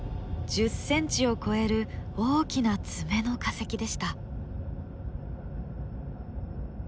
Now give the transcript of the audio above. １０ｃｍを超える大きな爪の化石でした。